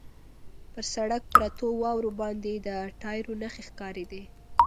پر سړک پرتو واورو باندې د ټایرو نښې ښکارېدې.